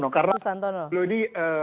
karena beliau ini